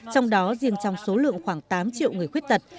trong đó riêng trong số lượng khoảng tám triệu người khuyết tật